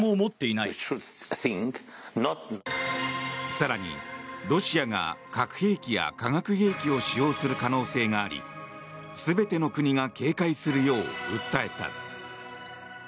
更に、ロシアが核兵器や化学兵器を使用する可能性があり全ての国が警戒するよう訴えた。